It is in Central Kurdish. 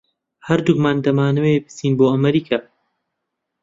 ھەردووکمان دەمانەوێت بچین بۆ ئەمریکا.